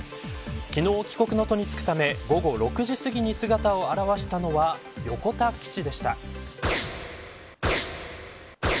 昨日、帰国の途に就くため午後６時すぎに姿を現したのは横田基地でした。